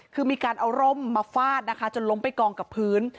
คือมีการเอาร่มมาฟาดนะคะจนล้มไปกองกับพื้น